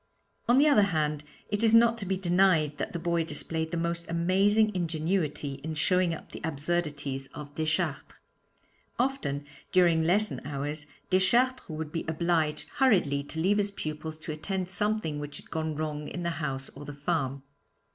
On the other hand, it is not to be denied that the boy displayed the most amazing ingenuity in showing up the absurdities of Deschartres. Often, during lesson hours, Deschartres would be obliged hurriedly to leave his pupils to attend to something which had gone wrong in the house or the farm.